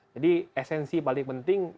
jadi esensi paling penting